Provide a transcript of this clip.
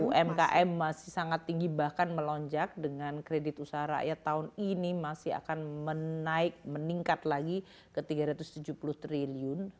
umkm masih sangat tinggi bahkan melonjak dengan kredit usaha rakyat tahun ini masih akan menaik meningkat lagi ke tiga ratus tujuh puluh triliun